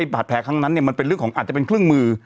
บาดแผลครั้งนั้นมันเป็นเรื่องของอาจจะเป็นเครื่องมือ